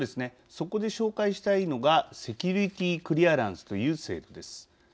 そこで紹介したいのがセキュリティー・クリアランスという制度です。